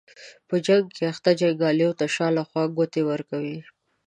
په جنګ کې اخته جنګیالیو ته د شا له خوا ګوتې ورکوي.